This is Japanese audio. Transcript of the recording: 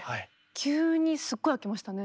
急にすごい空きましたね。